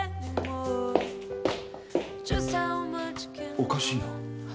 おかしいな。